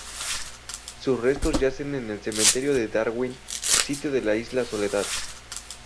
Sus restos yacen en el Cementerio de Darwin, sito en la isla Soledad.